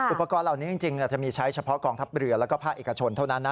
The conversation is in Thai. อุปกรณ์เหล่านี้จริงจะมีใช้เฉพาะกองทัพเรือแล้วก็ภาคเอกชนเท่านั้นนะ